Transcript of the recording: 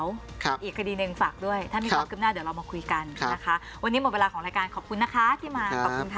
วันนี้หมดเวลาของรายการขอบคุณนะคะที่มา